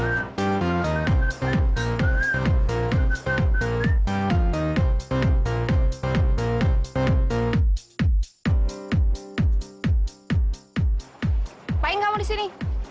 apa yang kamu disini